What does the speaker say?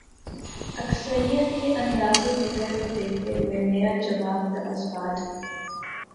اکثریت کے انداز فکر کو دیکھتے ہوئے، میرا جواب تو اثبات میں ہے۔